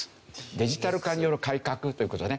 デジタル化による改革という事ですね。